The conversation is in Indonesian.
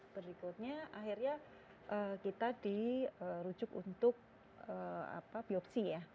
berikutnya akhirnya kita dirujuk untuk biopsi ya